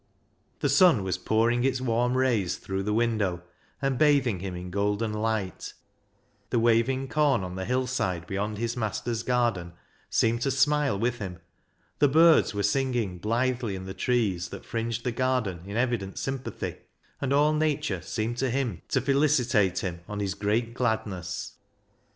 The sun was pouring its warm rays through the window and bathing him in golden light, the waving corn on the hillside beyond his master's garden seemed to smile with him, the birds were singing blithely in the trees that fringed the garden in evident sympathy, and all nature seemed to him to felicitate him on his great gladness.